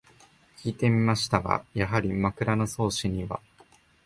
きいてみましたが、やはり「枕草子」には